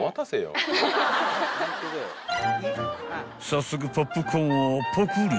［早速ポップコーンをポプり］